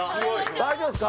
大丈夫ですか？